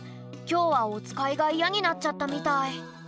きょうはおつかいがイヤになっちゃったみたい。